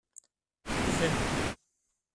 Fem-ho.